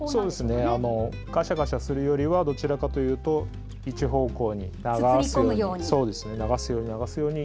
がしゃがしゃするよりはどちらかというと一方向に流すように。